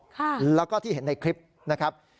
ค่ะแล้วก็ที่เห็นในคลิปนะครับ